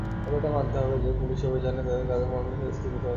তবে এটা মানতে হবে যে পুলিশি অভিযানে তাদের কার্যক্রম অনেকটাই স্তিমিত হয়েছে।